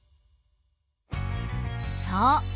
そう。